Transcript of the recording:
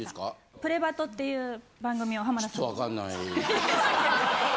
『プレバト！！』っていう番組を浜田さんと。